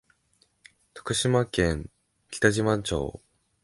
徳島県北島町